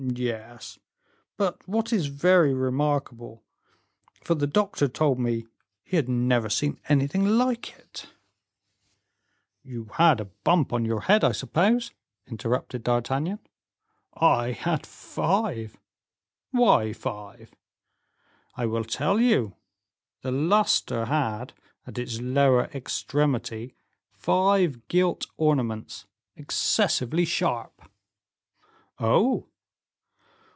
"Yes; but what is very remarkable, for the doctor told me he had never seen anything like it " "You had a bump on your head I suppose?" interrupted D'Artagnan. "I had five." "Why five?" "I will tell you; the luster had, at its lower extremity, five gilt ornaments; excessively sharp." "Oh!"